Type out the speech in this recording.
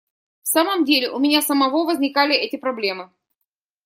В самом деле, у меня самого возникали эти проблемы.